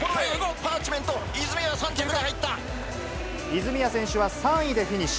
パーチメント、泉谷選手は３位でフィニッシュ。